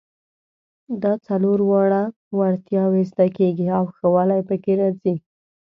دا څلور واړه وړتیاوې زده کیږي او ښه والی پکې راځي.